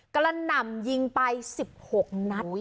กระหน่ำยิงไป๑๖นัด